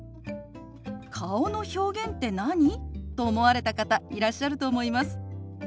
「顔の表現って何？」と思われた方いらっしゃると思います。